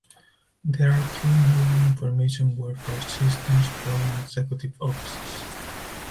There are three Naval Information Warfare Systems Program Executive Offices.